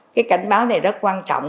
cái cảnh báo này rất quan trọng